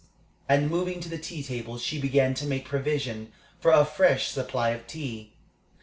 And moving to the tea table, she began to make provision for a fresh supply of tea.